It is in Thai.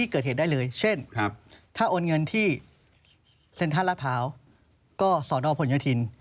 ก็สพลยธิน